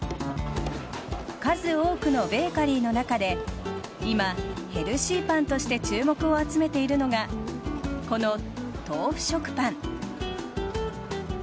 数多くのベーカリーの中で今、ヘルシーパンとして注目を集めているのがこの豆腐食パン。